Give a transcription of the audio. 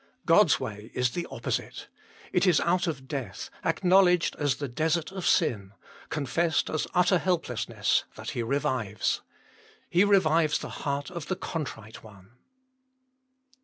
God s way is the opposite : it is out of death, acknowledged as the desert of sin, confessed as utter helplessness, that He revives. He revives the heart of the contrite one.